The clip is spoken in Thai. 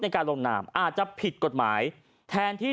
ในการลงนามอาจจะผิดกฎหมายแทนที่